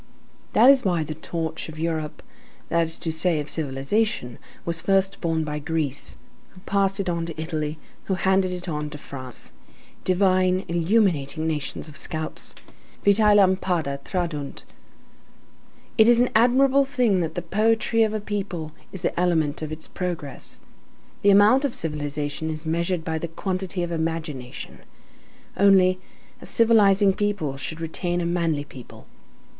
That is why the torch of Europe, that is to say of civilization, was first borne by Greece, who passed it on to Italy, who handed it on to France. Divine, illuminating nations of scouts! Vitælampada tradunt. It is an admirable thing that the poetry of a people is the element of its progress. The amount of civilization is measured by the quantity of imagination. Only, a civilizing people should remain a manly people.